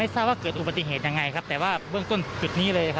ทราบว่าเกิดอุบัติเหตุยังไงครับแต่ว่าเบื้องต้นจุดนี้เลย